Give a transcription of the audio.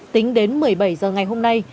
tính đến một mươi bảy h ngày hôm nay